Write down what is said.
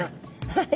はい。